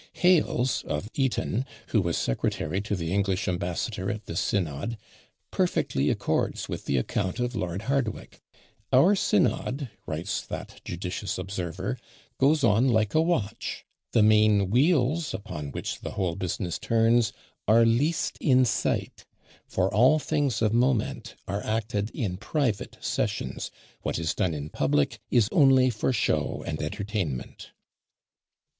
Hales, of Eaton, who was secretary to the English ambassador at this synod, perfectly accords with the account of Lord Hardwicke. "Our synod," writes that judicious observer, "goes on like a watch; the main wheels upon which the whole business turns are least in sight; for all things of moment are acted in private sessions; what is done in public is only for show and entertainment."